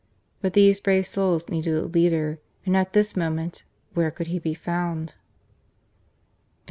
But these brave souls needed a leader ; and at this moment where could he be found